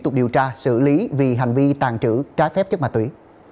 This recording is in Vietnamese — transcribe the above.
chất ma túy